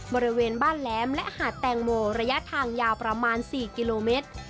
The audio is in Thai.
บริเวณบ้านแหลมและหาดแตงโมระยะทางยาวประมาณ๔กิโลเมตร